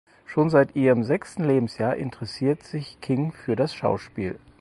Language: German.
Schon seit ihrem sechsten Lebensjahr interessiert sich King für das Schauspiel.